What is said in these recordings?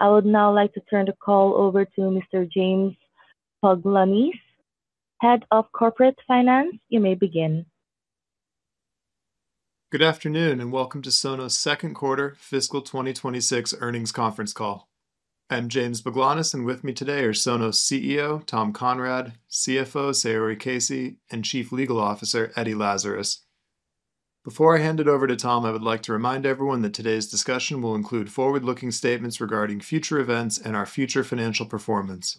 I would now like to turn the call over to Mr. James Baglanis, Head of Corporate Finance. You may begin. Good afternoon, welcome to Sonos' second quarter fiscal 2026 earnings conference call. I'm James Baglanis, with me today are Sonos CEO Tom Conrad, CFO Saori Casey, and Chief Legal Officer Eddie Lazarus. Before I hand it over to Tom, I would like to remind everyone that today's discussion will include forward-looking statements regarding future events and our future financial performance.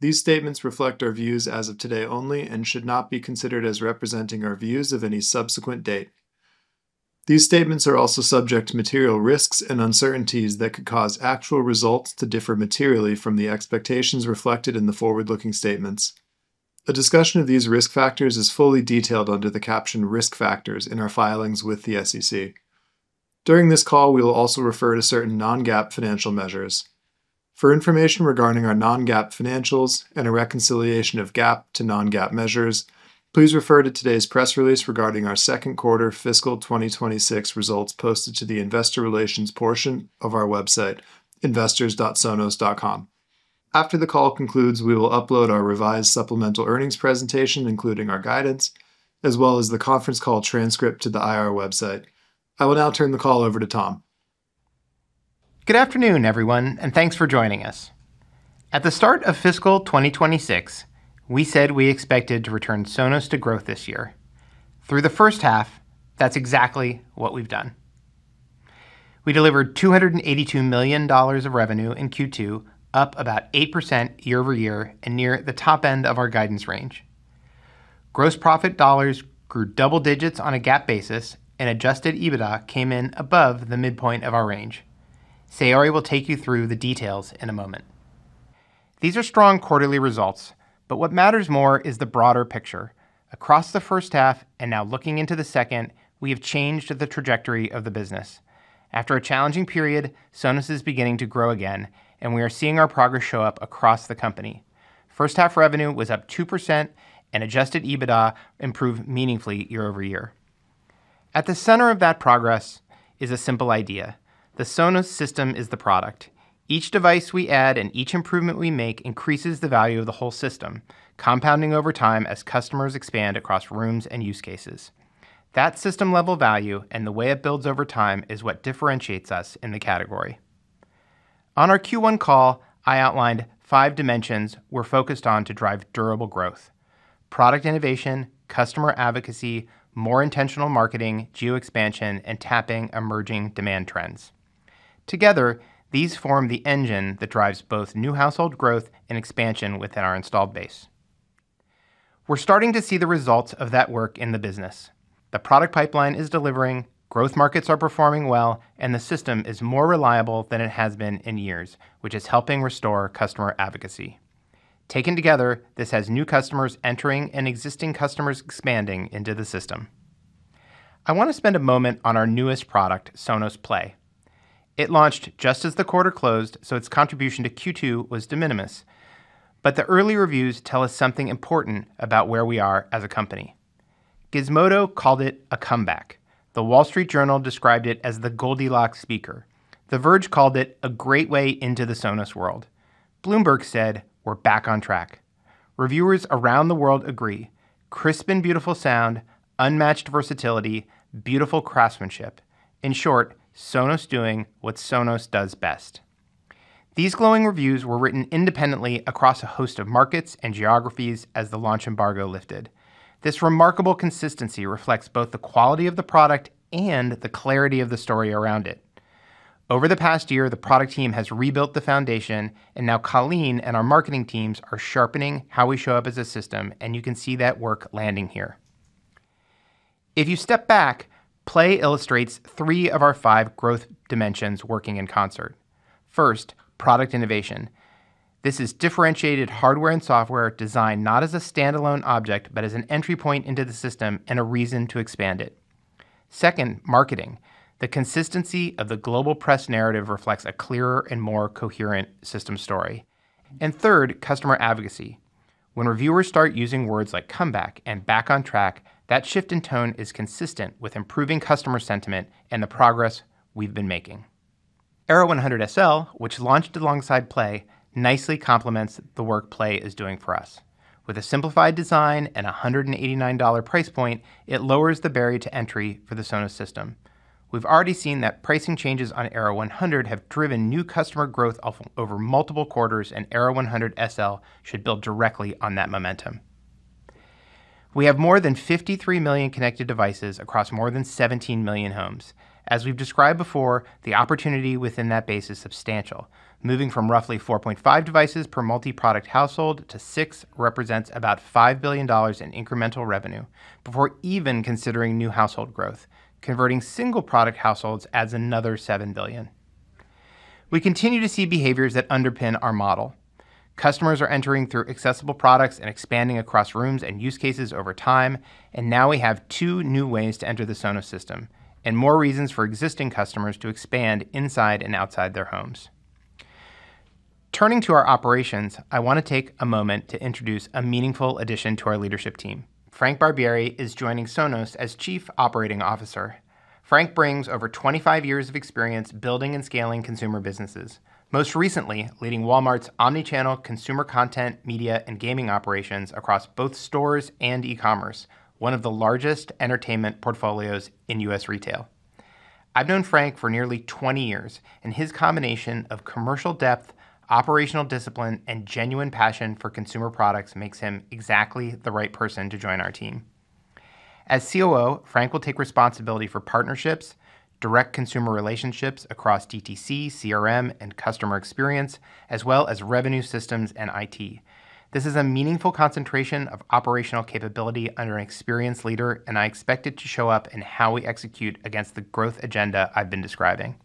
These statements reflect our views as of today only should not be considered as representing our views of any subsequent date. These statements are also subject to material risks and uncertainties that could cause actual results to differ materially from the expectations reflected in the forward-looking statements. A discussion of these risk factors is fully detailed under the caption Risk Factors in our filings with the SEC. During this call, we will also refer to certain non-GAAP financial measures. For information regarding our non-GAAP financials and a reconciliation of GAAP to non-GAAP measures, please refer to today's press release regarding our second quarter fiscal 2026 results posted to the Investor Relations portion of our website, investors.sonos.com. After the call concludes, we will upload our revised supplemental earnings presentation, including our guidance, as well as the conference call transcript to the IR website. I will now turn the call over to Tom. Good afternoon, everyone, and thanks for joining us. At the start of fiscal 2026, we said we expected to return Sonos to growth this year. Through the first half, that's exactly what we've done. We delivered $282 million of revenue in Q2, up about 8% year-over-year and near the top end of our guidance range. Gross profit dollars grew double digits on a GAAP basis and adjusted EBITDA came in above the midpoint of our range. Saori will take you through the details in a moment. What matters more is the broader picture. Across the first half and now looking into the second, we have changed the trajectory of the business. After a challenging period, Sonos is beginning to grow again, and we are seeing our progress show up across the company. First half revenue was up 2% and adjusted EBITDA improved meaningfully year-over-year. At the center of that progress is a simple idea. The Sonos system is the product. Each device we add and each improvement we make increases the value of the whole system, compounding over time as customers expand across rooms and use cases. That system-level value and the way it builds over time is what differentiates us in the category. On our Q1 call, I outlined five dimensions we're focused on to drive durable growth: product innovation, customer advocacy, more intentional marketing, geo expansion, and tapping emerging demand trends. Together, these form the engine that drives both new household growth and expansion within our installed base. We're starting to see the results of that work in the business. The product pipeline is delivering, growth markets are performing well, and the system is more reliable than it has been in years, which is helping restore customer advocacy. Taken together, this has new customers entering and existing customers expanding into the system. I want to spend a moment on our newest product, Sonos Play. It launched just as the quarter closed, so its contribution to Q2 was de minimis. The early reviews tell us something important about where we are as a company. Gizmodo called it a comeback. The Wall Street Journal described it as the Goldilocks speaker. The Verge called it a great way into the Sonos world. Bloomberg said we're back on track. Reviewers around the world agree crisp and beautiful sound, unmatched versatility, beautiful craftsmanship. In short, Sonos doing what Sonos does best. These glowing reviews were written independently across a host of markets and geographies as the launch embargo lifted. This remarkable consistency reflects both the quality of the product and the clarity of the story around it. Over the past year, the product team has rebuilt the foundation, and now Colleen and our marketing teams are sharpening how we show up as a system, and you can see that work landing here. If you step back, Sonos Play illustrates three of our five growth dimensions working in concert. First, product innovation. This is differentiated hardware and software designed not as a standalone object but as an entry point into the system and a reason to expand it. Second, marketing. The consistency of the global press narrative reflects a clearer and more coherent system story. Third, customer advocacy. When reviewers start using words like comeback and back on track, that shift in tone is consistent with improving customer sentiment and the progress we've been making. Era 100 SL, which launched alongside Play, nicely complements the work Play is doing for us. With a simplified design and a $189 price point, it lowers the barrier to entry for the Sonos system. We've already seen that pricing changes on Era 100 have driven new customer growth of over multiple quarters, and Era 100 SL should build directly on that momentum. We have more than 53 million connected devices across more than 17 million homes. As we've described before, the opportunity within that base is substantial. Moving from roughly 4.5 devices per multi-product household to six represents about $5 billion in incremental revenue before even considering new household growth. Converting single product households adds another $7 billion. We continue to see behaviors that underpin our model. Customers are entering through accessible products and expanding across rooms and use cases over time, and now we have two new ways to enter the Sonos system and more reasons for existing customers to expand inside and outside their homes. Turning to our operations, I want to take a moment to introduce a meaningful addition to our leadership team. Frank Barbieri is joining Sonos as Chief Operating Officer. Frank brings over 25 years of experience building and scaling consumer businesses, most recently leading Walmart's omni-channel consumer content, media, and gaming operations across both stores and e-commerce, one of the largest entertainment portfolios in U.S. retail. I've known Frank for nearly 20 years. His combination of commercial depth, operational discipline, and genuine passion for consumer products makes him exactly the right person to join our team. As COO, Frank will take responsibility for partnerships, direct consumer relationships across DTC, CRM, and customer experience, as well as revenue systems and IT. This is a meaningful concentration of operational capability under an experienced leader. I expect it to show up in how we execute against the growth agenda I've been describing.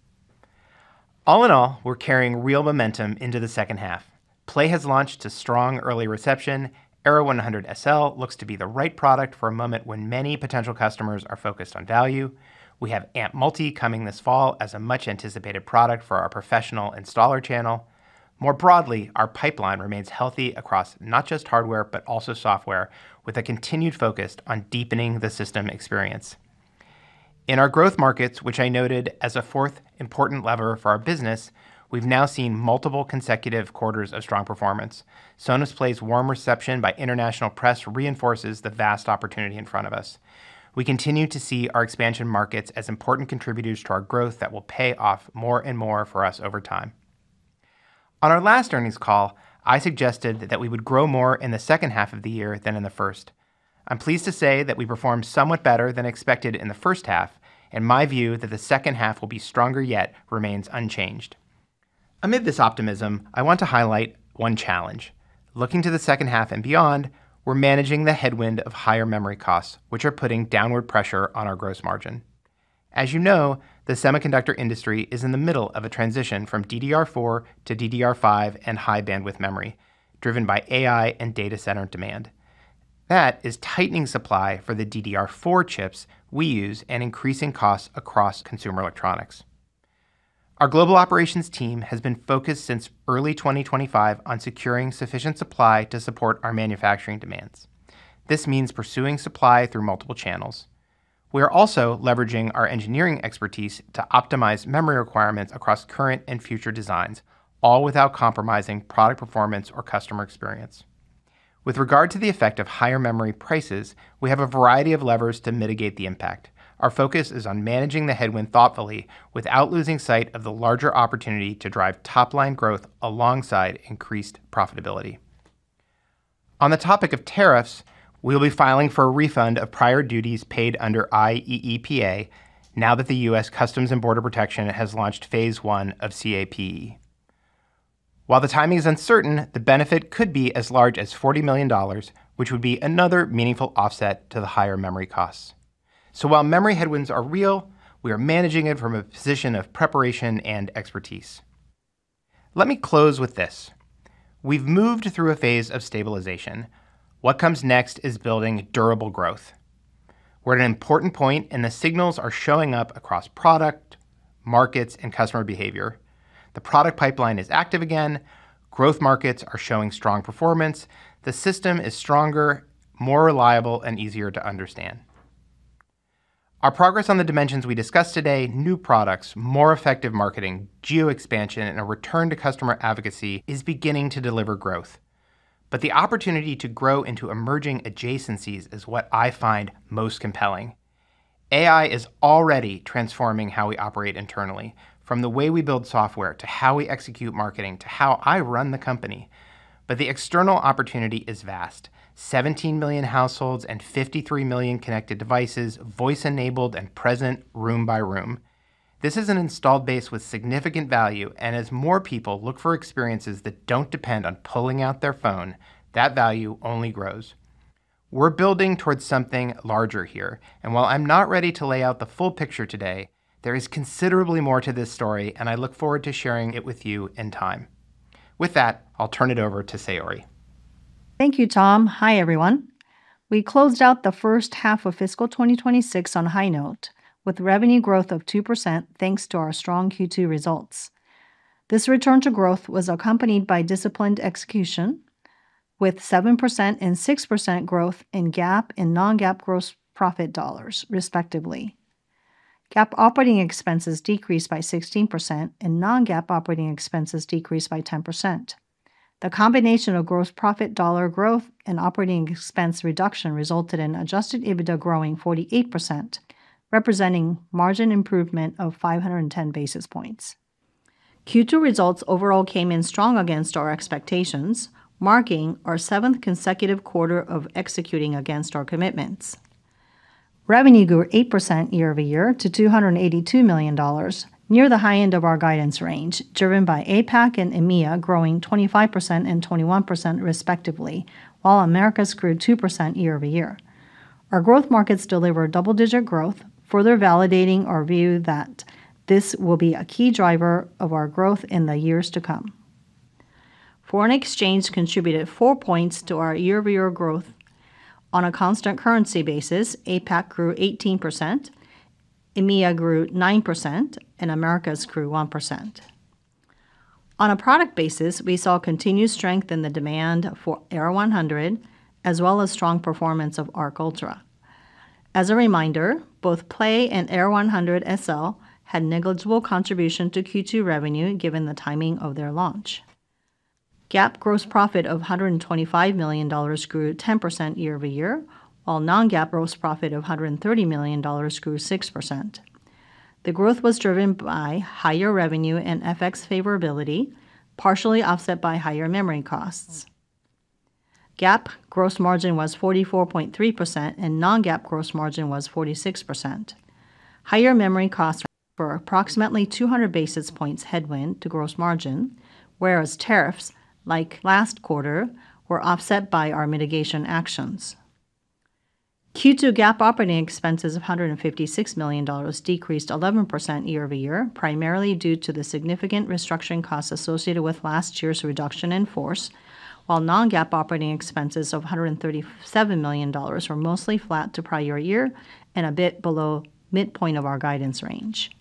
All in all, we're carrying real momentum into the second half. Play has launched to strong early reception. Era 100 SL looks to be the right product for a moment when many potential customers are focused on value. We have Amp Multi coming this fall as a much-anticipated product for our professional installer channel. More broadly, our pipeline remains healthy across not just hardware, but also software, with a continued focus on deepening the system experience. In our growth markets, which I noted as a fourth important lever for our business, we've now seen multiple consecutive quarters of strong performance. Sonos Play's warm reception by international press reinforces the vast opportunity in front of us. We continue to see our expansion markets as important contributors to our growth that will pay off more and more for us over time. On our last earnings call, I suggested that we would grow more in the second half of the year than in the first. I'm pleased to say that we performed somewhat better than expected in the first half, and my view that the second half will be stronger yet remains unchanged. Amid this optimism, I want to highlight one challenge. Looking to the second half and beyond, we're managing the headwind of higher memory costs, which are putting downward pressure on our gross margin. As you know, the semiconductor industry is in the middle of a transition from DDR4 to DDR5 and High Bandwidth Memory driven by AI and data center demand. That is tightening supply for the DDR4 chips we use and increasing costs across consumer electronics. Our global operations team has been focused since early 2025 on securing sufficient supply to support our manufacturing demands. This means pursuing supply through multiple channels. We are also leveraging our engineering expertise to optimize memory requirements across current and future designs, all without compromising product performance or customer experience. With regard to the effect of higher memory prices, we have a variety of levers to mitigate the impact. Our focus is on managing the headwind thoughtfully without losing sight of the larger opportunity to drive top-line growth alongside increased profitability. On the topic of tariffs, we'll be filing for a refund of prior duties paid under IEEPA now that the U.S. Customs and Border Protection has launched phase I of CAPE. While the timing is uncertain, the benefit could be as large as $40 million, which would be another meaningful offset to the higher memory costs. While memory headwinds are real, we are managing it from a position of preparation and expertise. Let me close with this. We've moved through a phase of stabilization. What comes next is building durable growth. We're at an important point, and the signals are showing up across product, markets, and customer behavior. The product pipeline is active again. Growth markets are showing strong performance. The system is stronger, more reliable, and easier to understand. Our progress on the dimensions we discussed today, new products, more effective marketing, geo expansion, and a return to customer advocacy is beginning to deliver growth. The opportunity to grow into emerging adjacencies is what I find most compelling. AI is already transforming how we operate internally, from the way we build software to how we execute marketing to how I run the company. The external opportunity is vast, 17 million households and 53 million connected devices, voice-enabled and present room by room. This is an installed base with significant value, and as more people look for experiences that don't depend on pulling out their phone, that value only grows. We're building towards something larger here, and while I'm not ready to lay out the full picture today, there is considerably more to this story, and I look forward to sharing it with you in time. With that, I'll turn it over to Saori. Thank you, Tom. Hi, everyone. We closed out the first half of fiscal 2026 on a high note with revenue growth of 2% thanks to our strong Q2 results. This return to growth was accompanied by disciplined execution with 7% and 6% growth in GAAP and non-GAAP gross profit dollars, respectively. GAAP operating expenses decreased by 16% and non-GAAP operating expenses decreased by 10%. The combination of gross profit dollar growth and operating expense reduction resulted in adjusted EBITDA growing 48%, representing margin improvement of 510 basis points. Q2 results overall came in strong against our expectations, marking our seventh consecutive quarter of executing against our commitments. Revenue grew 8% year-over-year to $282 million, near the high end of our guidance range, driven by APAC and EMEA growing 25% and 21% respectively, while Americas grew 2% year-over-year. Our growth markets deliver double-digit growth, further validating our view that this will be a key driver of our growth in the years to come. Foreign exchange contributed four points to our year-over-year growth. On a constant currency basis, APAC grew 18%, EMEA grew 9%, and Americas grew 1%. On a product basis, we saw continued strength in the demand for Era 100 as well as strong performance of Arc Ultra. As a reminder, both Play and Era 100 SL had negligible contribution to Q2 revenue given the timing of their launch. GAAP gross profit of $125 million grew 10% year-over-year, while non-GAAP gross profit of $130 million grew 6%. The growth was driven by higher revenue and FX favorability, partially offset by higher memory costs. GAAP gross margin was 44.3% and non-GAAP gross margin was 46%. Higher memory costs for approximately 200 basis points headwind to gross margin, whereas tariffs, like last quarter, were offset by our mitigation actions. Q2 GAAP operating expenses of $156 million decreased 11% year-over-year, primarily due to the significant restructuring costs associated with last year's reduction in force, while non-GAAP operating expenses of $137 million were mostly flat to prior year and a bit below midpoint of our guidance range.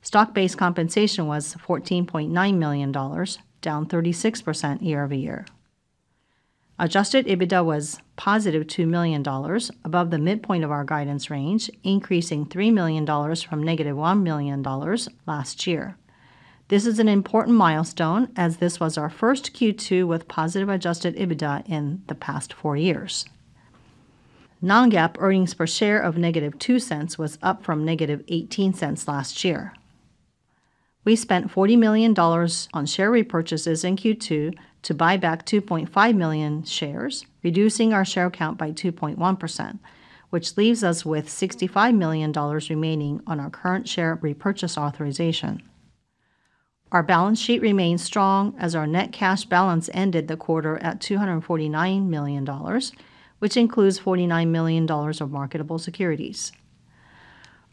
Stock-based compensation was $14.9 million, down 36% year-over-year. Adjusted EBITDA was +$2 million above the midpoint of our guidance range, increasing $3 million from -$1 million last year. This is an important milestone as this was our first Q2 with positive adjusted EBITDA in the past four years. Non-GAAP earnings per share of -$0.02 was up from -$0.18 last year. We spent $40 million on share repurchases in Q2 to buy back 2.5 million shares, reducing our share count by 2.1%, which leaves us with $65 million remaining on our current share repurchase authorization. Our balance sheet remains strong as our net cash balance ended the quarter at $249 million, which includes $49 million of marketable securities.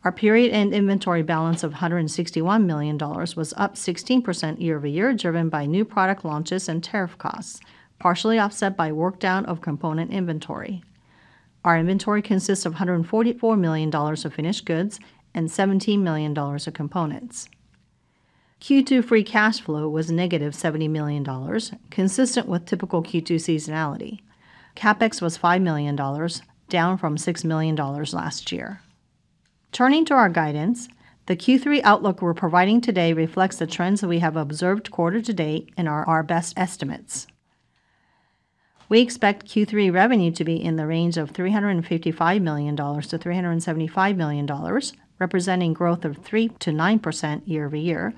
Our period-end inventory balance of $161 million was up 16% year-over-year, driven by new product launches and tariff costs, partially offset by work down of component inventory. Our inventory consists of $144 million of finished goods and $17 million of components. Q2 free cash flow was -$70 million, consistent with typical Q2 seasonality. CapEx was $5 million, down from $6 million last year. Turning to our guidance, the Q3 outlook we're providing today reflects the trends that we have observed quarter-to-date and are our best estimates. We expect Q3 revenue to be in the range of $355 million-$375 million, representing growth of 3%-9% year-over-year,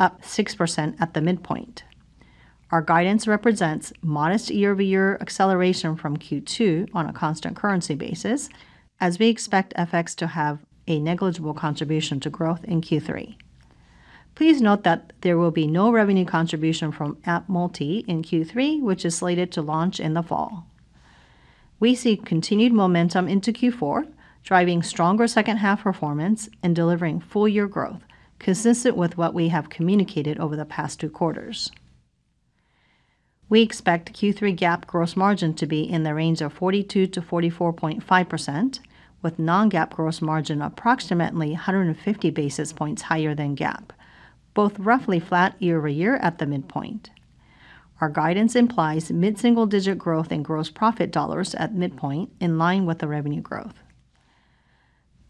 up 6% at the midpoint. Our guidance represents modest year-over-year acceleration from Q2 on a constant currency basis, as we expect FX to have a negligible contribution to growth in Q3. Please note that there will be no revenue contribution from Amp Multi in Q3, which is slated to launch in the fall. We see continued momentum into Q4, driving stronger second half performance and delivering full year growth consistent with what we have communicated over the past two quarters. We expect Q3 GAAP gross margin to be in the range of 42%-44.5%, with non-GAAP gross margin approximately 150 basis points higher than GAAP, both roughly flat year-over-year at the midpoint. Our guidance implies mid-single-digit growth in gross profit dollars at midpoint in line with the revenue growth.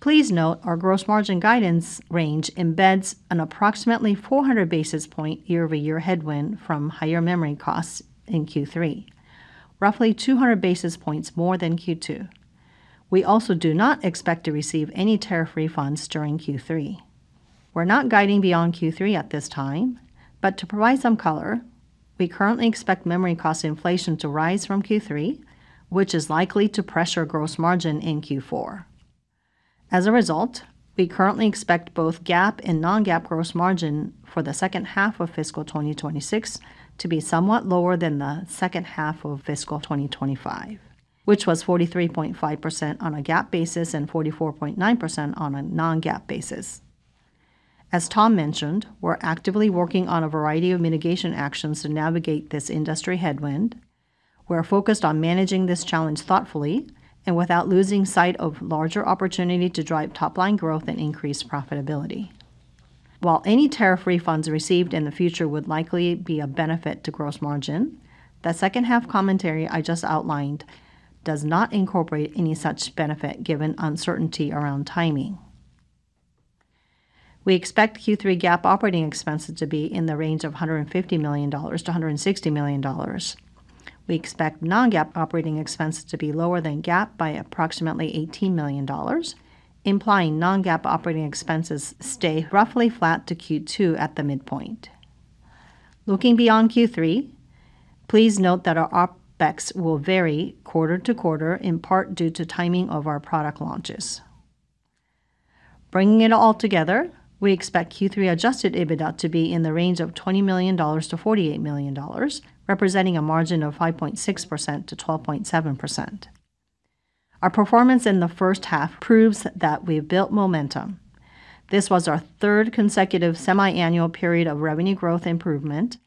Please note our gross margin guidance range embeds an approximately 400 basis point year-over-year headwind from higher memory costs in Q3, roughly 200 basis points more than Q2. We also do not expect to receive any tariff refunds during Q3. We're not guiding beyond Q3 at this time, but to provide some color, we currently expect memory cost inflation to rise from Q3, which is likely to pressure gross margin in Q4. As a result, we currently expect both GAAP and non-GAAP gross margin for the second half of fiscal 2026 to be somewhat lower than the second half of fiscal 2025, which was 43.5% on a GAAP basis and 44.9% on a non-GAAP basis. As Tom mentioned, we're actively working on a variety of mitigation actions to navigate this industry headwind. We're focused on managing this challenge thoughtfully and without losing sight of larger opportunity to drive top-line growth and increase profitability. While any tariff refunds received in the future would likely be a benefit to gross margin, the second half commentary I just outlined does not incorporate any such benefit given uncertainty around timing. We expect Q3 GAAP operating expenses to be in the range of $150 million-$160 million. We expect non-GAAP operating expenses to be lower than GAAP by approximately $18 million, implying non-GAAP operating expenses stay roughly flat to Q2 at the midpoint. Looking beyond Q3, please note that our OpEx will vary quarter to quarter, in part due to timing of our product launches. Bringing it all together, we expect Q3 adjusted EBITDA to be in the range of $20 million-$48 million, representing a margin of 5.6%-12.7%. Our performance in the first half proves that we have built momentum. This was our third consecutive semi-annual period of revenue growth improvement,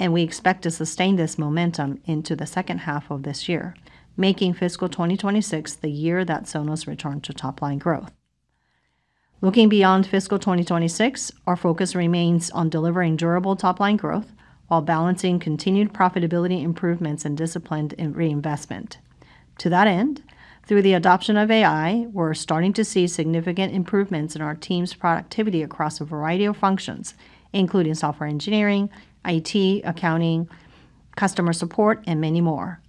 and we expect to sustain this momentum into the second half of this year, making fiscal 2026 the year that Sonos returned to top line growth. Looking beyond fiscal 2026, our focus remains on delivering durable top line growth while balancing continued profitability improvements and disciplined in reinvestment. To that end, through the adoption of AI, we're starting to see significant improvements in our team's productivity across a variety of functions, including software engineering, IT, accounting, customer support, and many more.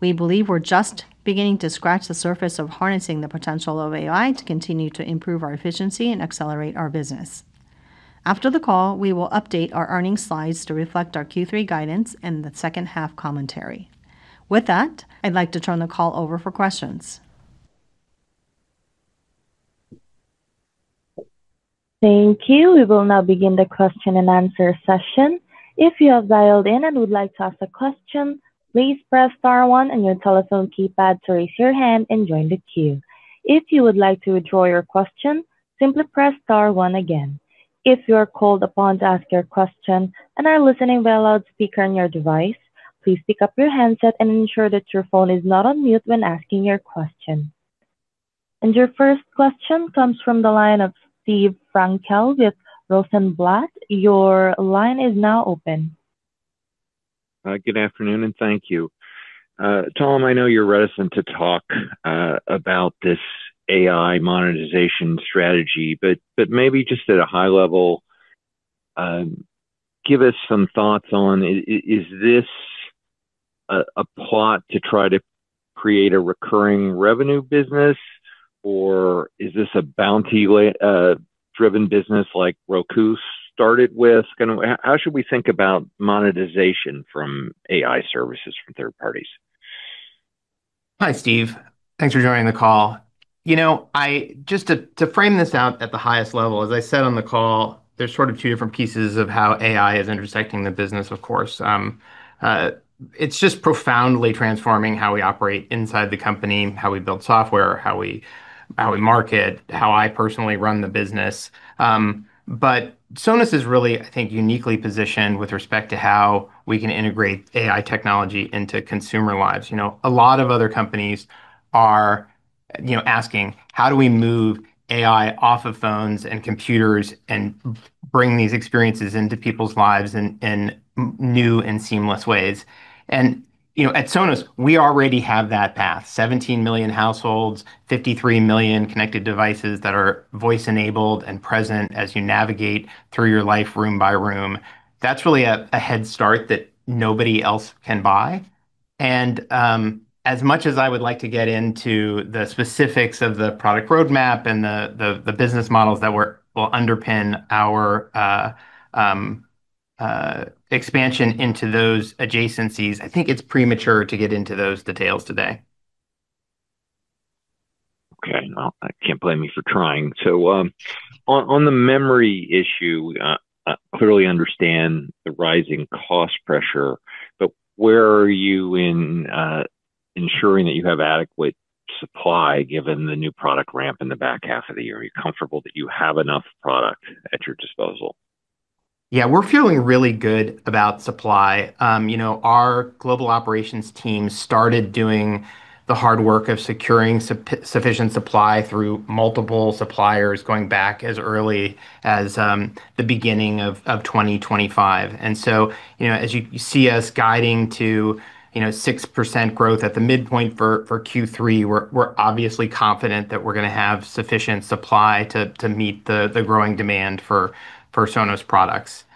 We believe we're just beginning to scratch the surface of harnessing the potential of AI to continue to improve our efficiency and accelerate our business. After the call, we will update our earning slides to reflect our Q3 guidance and the second-half commentary. With that, I'd like to turn the call over for questions. Thank you. We will now begin the question and answer session. If you have dialed in and would like to ask a question, please press star one on your telephone keypad to raise your hand and join the queue. If you would like to withdraw your question, simply press star one again. If you're called upon to ask your question and are listening by loudspeaker on your device, please pick up your handset and ensure that your phone is not on mute when asking your question. Your first question comes from the line of Steve Frankel with Rosenblatt. Your line is now open. Good afternoon, and thank you. Tom, I know you're reticent to talk about this AI monetization strategy, but maybe just at a high level, give us some thoughts on is this a plot to try to create a recurring revenue business, or is this a bounty way driven business like Roku started with? Kinda how should we think about monetization from AI services for third parties? Hi, Steve. Thanks for joining the call. You know, just to frame this out at the highest level, as I said on the call, there's sort of two different pieces of how AI is intersecting the business, of course. It's just profoundly transforming how we operate inside the company, how we build software, how we market, how I personally run the business. Sonos is really, I think, uniquely positioned with respect to how we can integrate AI technology into consumer lives. You know, a lot of other companies are, you know, asking, "How do we move AI off of phones and computers and bring these experiences into people's lives in new and seamless ways?" You know, at Sonos, we already have that path, 17 million households, 53 million connected devices that are voice enabled and present as you navigate through your life room by room. That's really a head start that nobody else can buy. As much as I would like to get into the specifics of the product roadmap and the business models that will underpin our expansion into those adjacencies, I think it's premature to get into those details today. Okay. Well, can't blame me for trying. On the memory issue, clearly understand the rising cost pressure, but where are you in ensuring that you have adequate supply given the new product ramp in the back half of the year? Are you comfortable that you have enough product at your disposal? Yeah. We're feeling really good about supply. You know, our global operations team started doing the hard work of securing sufficient supply through multiple suppliers going back as early as the beginning of 2025. You know, as you see us guiding to, you know, 6% growth at the midpoint for Q3, we're obviously confident that we're gonna have sufficient supply to meet the growing demand for Sonos products.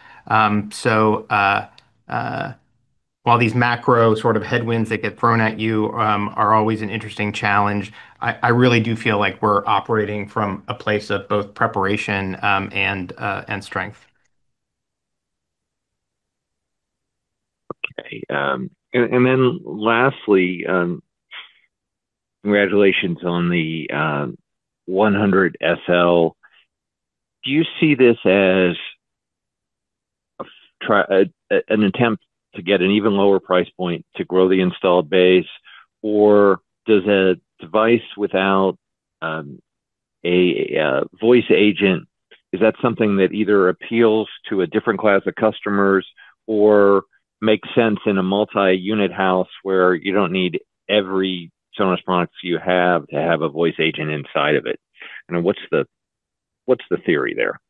While these macro sort of headwinds that get thrown at you are always an interesting challenge, I really do feel like we're operating from a place of both preparation and strength. Okay. Lastly, congratulations on the Era 100 SL. Do you see this as an attempt to get an even lower price point to grow the installed base? Or does a device without a voice agent, is that something that either appeals to a different class of customers or makes sense in a multi-unit house where you don't need every Sonos product you have to have a voice agent inside of it? What's the theory there?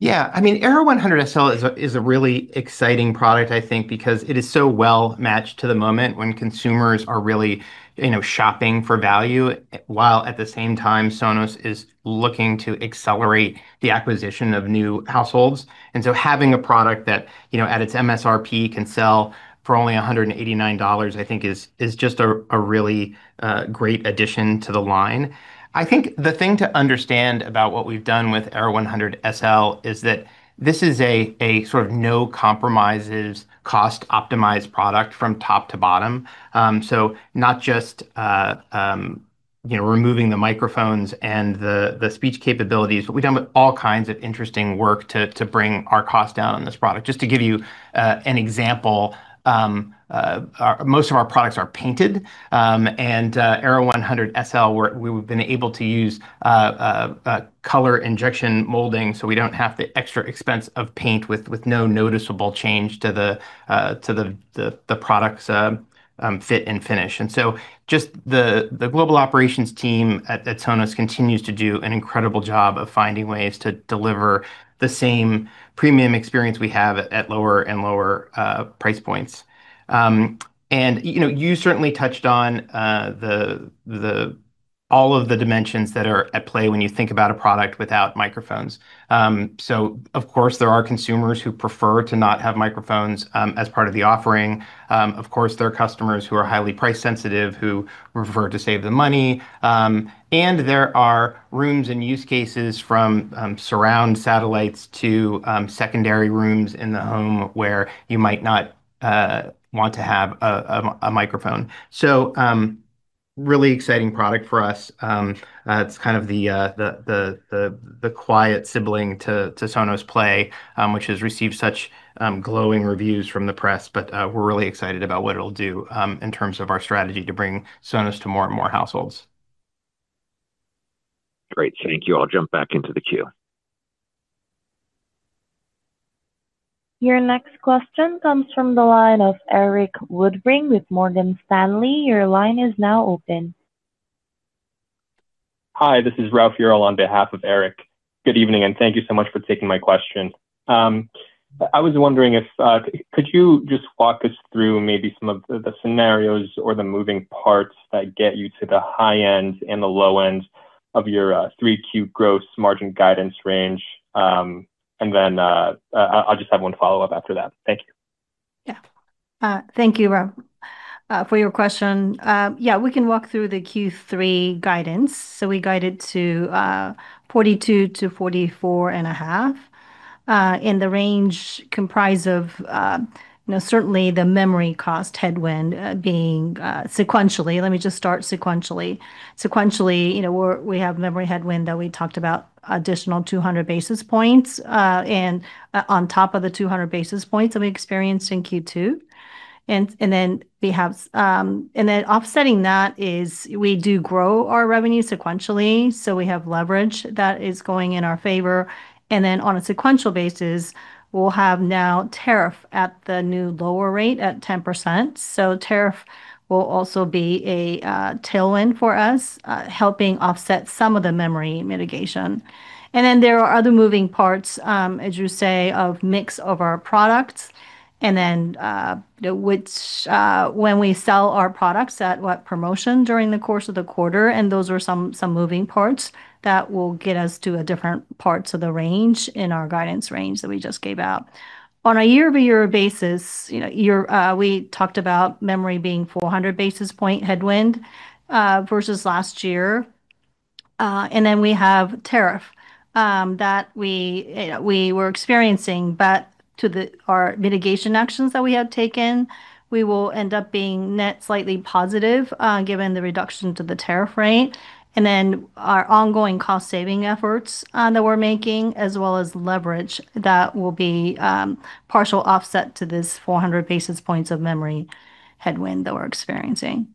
Yeah. I mean, Era 100 SL is a really exciting product, I think, because it is so well matched to the moment when consumers are really, you know, shopping for value, while at the same time Sonos is looking to accelerate the acquisition of new households. Having a product that, you know, at its MSRP can sell for only $189, I think is just a really great addition to the line. I think the thing to understand about what we've done with Era 100 SL is that this is a sort of no compromises cost-optimized product from top to bottom. Not just, you know, removing the microphones and the speech capabilities. We've done all kinds of interesting work to bring our cost down on this product. Just to give you an example, most of our products are painted, and Era 100 SL we've been able to use color injection molding so we don't have the extra expense of paint with no noticeable change to the product's fit and finish. Just the global operations team at Sonos continues to do an incredible job of finding ways to deliver the same premium experience we have at lower and lower price points. You know, you certainly touched on all of the dimensions that are at play when you think about a product without microphones. Of course, there are consumers who prefer to not have microphones as part of the offering. Of course, there are customers who are highly price sensitive who prefer to save the money. There are rooms and use cases from surround satellites to secondary rooms in the home where you might not want to have a microphone. Really exciting product for us. It's kind of the quiet sibling to Sonos Play, which has received such glowing reviews from the press. We're really excited about what it'll do in terms of our strategy to bring Sonos to more and more households. Great. Thank you. I'll jump back into the queue. Your next question comes from the line of Erik Woodring with Morgan Stanley. Your line is now open. Hi, this is [Ralph] here on behalf of Erik. Good evening, and thank you so much for taking my question. Could you just walk us through maybe some of the scenarios or the moving parts that get you to the high end and the low end of your 3Q gross margin guidance range? I'll just have one follow-up after that. Thank you. Thank you, [Ralph], for your question. We can walk through the Q3 guidance. We guided to 42-44.5. The range comprised of, you know, certainly the memory cost headwind being sequentially. Let me just start sequentially. Sequentially, you know, we have memory headwind that we talked about, additional 200 basis points, on top of the 200 basis points that we experienced in Q2. We have offsetting that is we do grow our revenue sequentially, so we have leverage that is going in our favor. On a sequential basis, we'll have now tariff at the new lower rate at 10%. Tariff will also be a tailwind for us, helping offset some of the memory mitigation. There are other moving parts, as you say, of mix of our products. Which, when we sell our products at, what, promotion during the course of the quarter, and those are some moving parts that will get us to a different parts of the range in our guidance range that we just gave out. On a year-over-year basis, you know, we talked about memory being 400 basis point headwind versus last year. We have tariff that we were experiencing. Our mitigation actions that we have taken, we will end up being net slightly positive given the reduction to the tariff rate. Our ongoing cost saving efforts, that we're making, as well as leverage, that will be, partial offset to this 400 basis points of memory headwind that we're experiencing.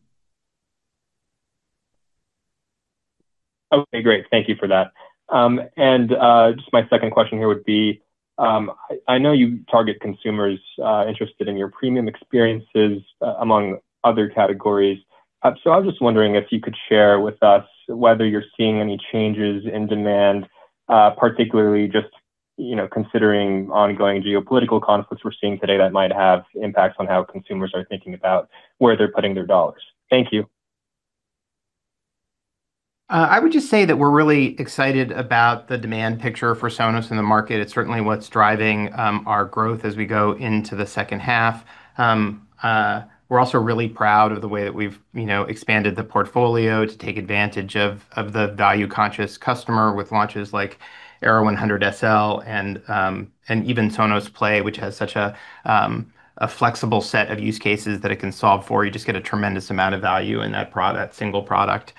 Okay, great. Thank you for that. Just my second question here would be, I know you target consumers interested in your premium experiences among other categories. I was wondering if you could share with us whether you're seeing any changes in demand, particularly, you know, considering ongoing geopolitical conflicts we're seeing today that might have impacts on how consumers are thinking about where they're putting their dollars. Thank you. I would just say that we're really excited about the demand picture for Sonos in the market. It's certainly what's driving our growth as we go into the second half. We're also really proud of the way that we've, you know, expanded the portfolio to take advantage of the value-conscious customer with launches like Era 100 SL and even Sonos Play, which has such a flexible set of use cases that it can solve for. You just get a tremendous amount of value in that product, single product.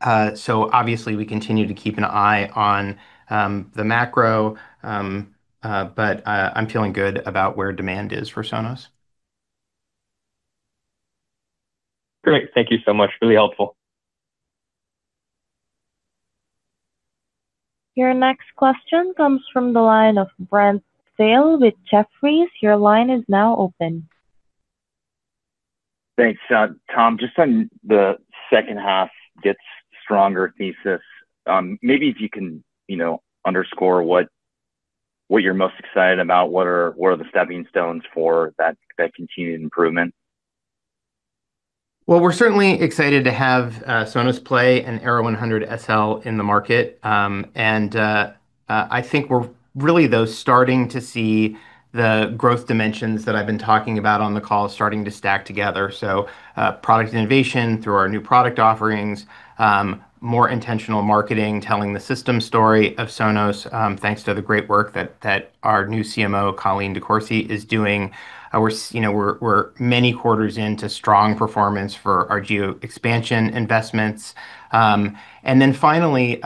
Obviously we continue to keep an eye on the macro, but I'm feeling good about where demand is for Sonos. Great. Thank you so much. Really helpful. Your next question comes from the line of Brent Thill with Jefferies. Your line is now open. Thanks. Tom, just on the second half gets stronger thesis, maybe if you can, you know, underscore what you're most excited about. What are, what are the stepping stones for that continued improvement? We're certainly excited to have Sonos Play and Era 100 SL in the market. I think we're really though starting to see the growth dimensions that I've been talking about on the call starting to stack together. Product innovation through our new product offerings. More intentional marketing, telling the system story of Sonos, thanks to the great work that our new CMO, Colleen DeCourcy, is doing. We're you know, we're many quarters into strong performance for our geo expansion investments. Then finally,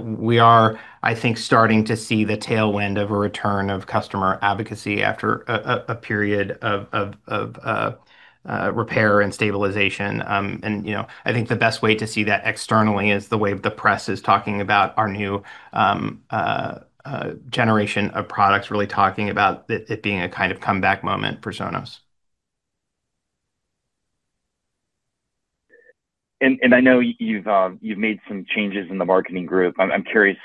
we are, I think, starting to see the tailwind of a return of customer advocacy after a period of repair and stabilization. You know, I think the best way to see that externally is the way the press is talking about our new generation of products, really talking about it being a kind of comeback moment for Sonos. I know you've made some changes in the marketing group. I'm curious,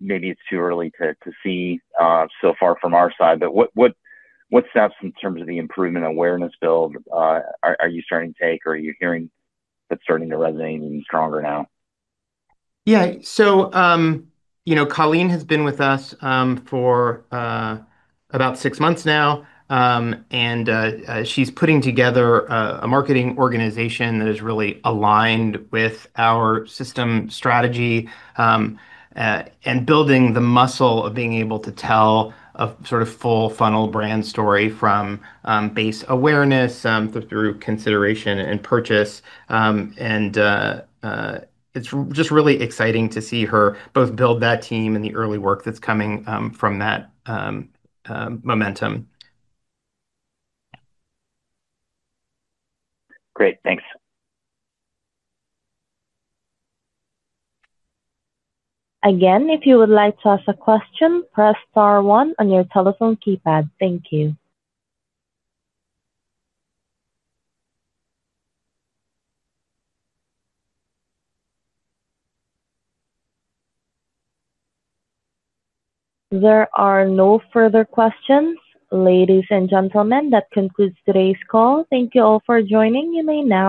maybe it's too early to see, so far from our side, but what steps in terms of the improvement awareness build, are you starting to take, or are you hearing it's starting to resonate even stronger now? Yeah. You know, Colleen has been with us for about six months now. She's putting together a marketing organization that is really aligned with our system strategy and building the muscle of being able to tell a sort of full funnel brand story from base awareness through consideration and purchase. It's just really exciting to see her both build that team and the early work that's coming from that momentum. Great. Thanks. Again if you would like to ask a question press star one on you telephone keypad. Thank you. There are no further questions. Ladies and gentlemen, that concludes today's call. Thank you all for joining. You may now disconnect.